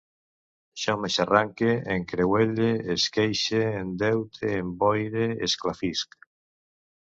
Jo m'eixancarre, encreuelle, esqueixe, endeute, emboire, esclafisc